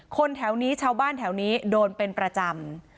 แถวนี้ชาวบ้านแถวนี้โดนเป็นประจำ